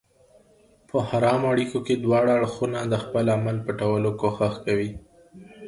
په حرامو اړيکو کي دواړه اړخونه د خپل عمل پټولو کوښښ کوي.